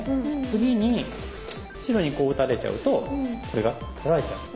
次に白にこう打たれちゃうとこれが取られちゃう。